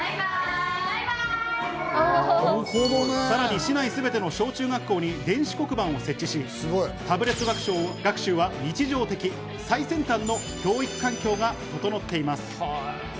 さらに市内すべての小中学校に電子黒板を設置し、タブレット学習は日常的、最先端の教育環境が整っています。